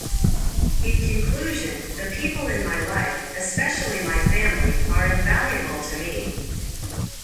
In conclusion, the people in my life, especially my family, are invaluable to me.